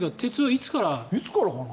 いつからかな？